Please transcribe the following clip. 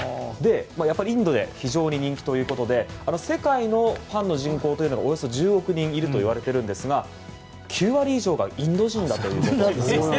インドで非常に人気ということで世界のファンの人口がおよそ１０億人いるといわれているんですが９割以上がインド人だということなんですね。